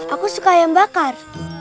aku suka ayam bakar